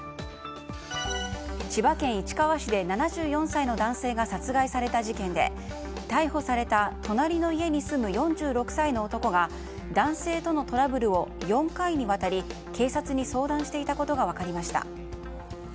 千葉県市川市で７４歳の男性が殺害された事件で逮捕された隣の家に住む４６歳の男が男性とのトラブルを４回にわたり警察に相談していたことが分かりました。